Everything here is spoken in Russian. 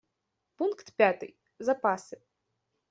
Пункт пятый: запасы.